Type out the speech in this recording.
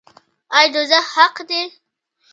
آیا دوزخ حق دی؟